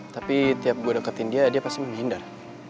tapi tiap gue deketin dia dia pasti menghindar